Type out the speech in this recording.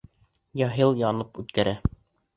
Яһил янып үткәрә.